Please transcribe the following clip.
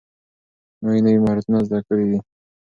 موږ نوي مهارتونه زده کړي دي.